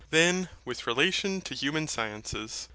Then, with relation to human sciences.